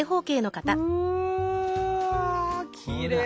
うわきれい！